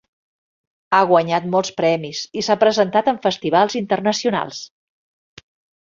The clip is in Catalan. Ha guanyat molts premis i s'ha presentat en festivals internacionals.